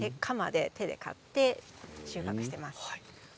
カマで手で刈って収穫しています。